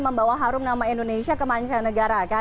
membawa harum nama indonesia ke manca negara